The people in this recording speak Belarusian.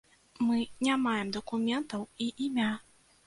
Мы не маем дакументаў і імя.